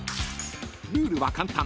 ［ルールは簡単。